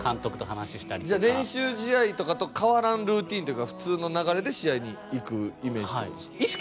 じゃあ練習試合とかと変わらんルーティンというか普通の流れで試合に行くイメージって事ですか。